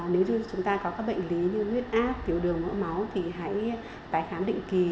nếu như chúng ta có các bệnh lý như huyết áp tiểu đường mỡ máu thì hãy tái khám định kỳ